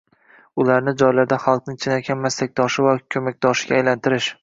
ularni joylarda xalqning chinakam maslakdoshi va ko‘makdoshiga aylantirish;